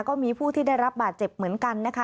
ก็มีผู้ที่ได้รับบาดเจ็บเหมือนกันนะคะ